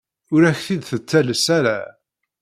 Ur ak-t-id-tettales ara.